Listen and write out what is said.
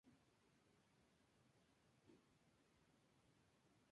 Como el evocador título sugiere, atacaron la doctrina de la transubstanciación.